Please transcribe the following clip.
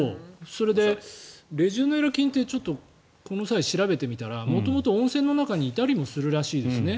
それで、レジオネラ菌ってちょっとこの際、調べてみたら元々温泉の中にいたりもするらしいですね。